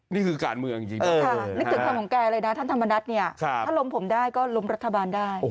นี่คือการเมืองจริงนะนึกถึงคำของแกเลยนะท่านธรรมนัฐเนี่ยถ้าล้มผมได้ก็ล้มรัฐบาลได้